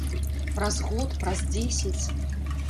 Праз год, праз дзесяць?